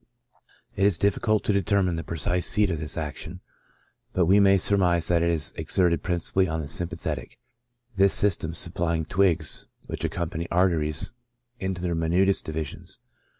It is difficult to determine the precise seat of this action, but we may surmise that it is exerted principally on the sympathetic, this system supply lO ON THE ACTION OF ing twigs which accompany arteries into their minutest divisions.